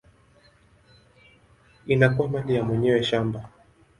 inakuwa mali ya mwenye shamba.